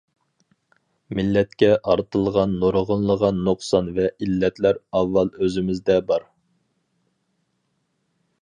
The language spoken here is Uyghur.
مىللەتكە ئارتىلغان نۇرغۇنلىغان نۇقسان ۋە ئىللەتلەر ئاۋۋال ئۆزىمىزدە بار.